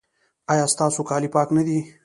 ایا ستاسو کالي پاک نه دي؟